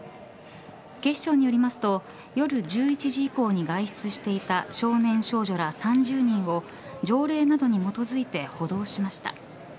警視庁によりますと夜１１時以降に外出していた少年少女ら３０人を条例などに基づいて補導しました。